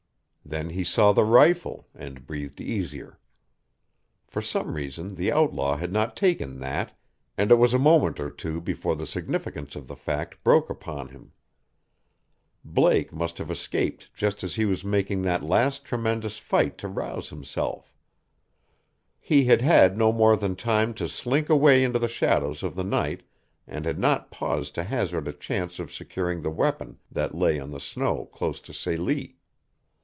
Then he saw the rifle, and breathed easier. For some reason the outlaw had not taken that, and it was a moment or two before the significance of the fact broke upon him. Blake must have escaped just as he was making that last tremendous fight to rouse himself. He had had no more than time to slink away into the shadows of the night, and had not paused to hazard a chance of securing the weapon that lay on the snow close to Celie.